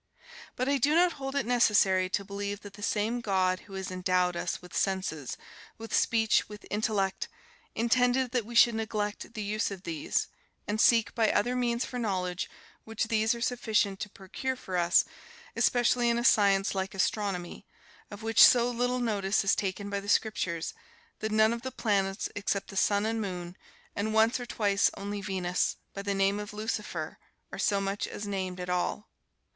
But I do not hold it necessary to believe that the same God who has endowed us with senses, with speech, with intellect, intended that we should neglect the use of these, and seek by other means for knowledge which these are sufficient to procure for us; especially in a science like astronomy, of which so little notice is taken by the Scriptures that none of the planets, except the sun and moon and once or twice only Venus, by the name of Lucifer, are so much as named at all.